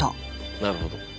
なるほど。